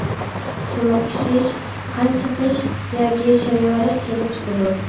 سۇلۇق ئېشىش، قان چىقىش ياكى شەلۋەرەش كېلىپ چىقىدۇ.